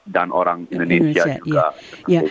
dan orang indonesia juga